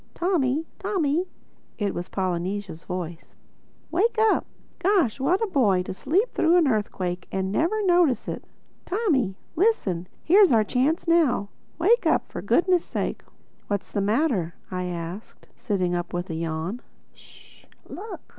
"Tommy!—Tommy!" (it was Polynesia's voice) "Wake up!—Gosh, what a boy, to sleep through an earthquake and never notice it!—Tommy, listen: here's our chance now. Wake up, for goodness' sake!" "What's the matter?" I asked sitting up with a yawn. "Sh!—Look!"